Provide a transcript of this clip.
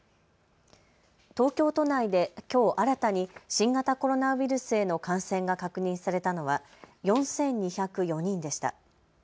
東京都内で、きょう新たに新型コロナウイルスへの感染が確認されたのは４２０４人でした。